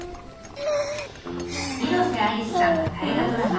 広瀬アリスさんが大河ドラマ